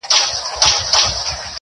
پر دنيا چي خداى كرلي دي قومونه -